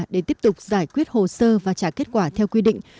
để tiếp tục giải quyết hồ sơ và trả kết quả theo quy định